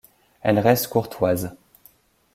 Elle reste courtoise.